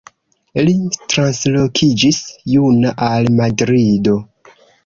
Li translokiĝis juna al Madrido.